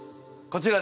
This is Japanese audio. こちら。